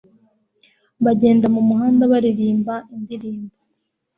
Bagenda mumuhanda baririmba indirimbo.